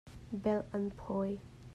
Belh an phawi.